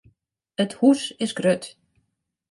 It hûs is grut.